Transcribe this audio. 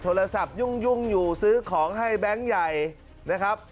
โทรศัพท์ยุ่งอยู่ซื้อของให้แบงค์ใหญ่นะครับ